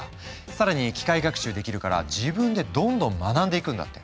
更に機械学習できるから自分でどんどん学んでいくんだって。